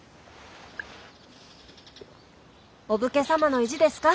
お武家様の意地ですか。